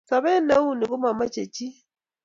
Sobet neuni komomoche chi